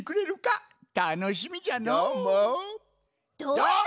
どうぞ！